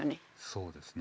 そうですね。